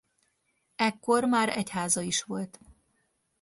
Ekkor már egyháza is volt.